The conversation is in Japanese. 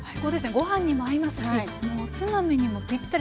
ご飯にも合いますしおつまみにもぴったり。